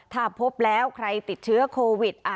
ถ้าพบแล้วใครติดเชื้อโควิด